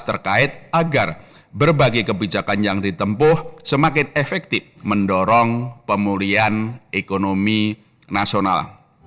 terkait agar berbagai kebijakan yang ditempuh semakin efektif mendorong pemulihan ekonomi nasional